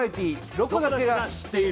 「ロコだけが知っている」。